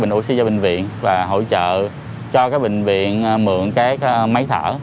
mình sẽ hỗ trợ tiếp qua bình viện và hỗ trợ cho bình viện mượn máy thở